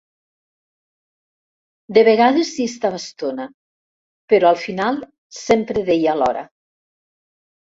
De vegades s'hi estava estona, però al final sempre deia l'hora.